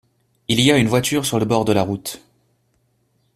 Il y a une voiture sur le bord de la route.